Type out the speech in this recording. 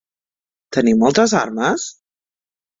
Teniu moltes armes?